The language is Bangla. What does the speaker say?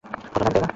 কত দামী না?